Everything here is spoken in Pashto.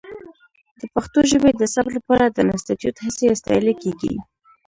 د پښتو ژبې د ثبت لپاره د انسټیټوت هڅې ستایلې کېږي.